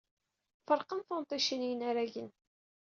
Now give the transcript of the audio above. Ferqen tunṭicin i yinaragen.